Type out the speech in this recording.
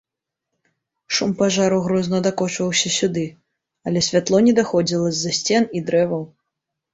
Шум пажару грозна дакочваўся сюды, але святло не даходзіла з-за сцен і дрэваў.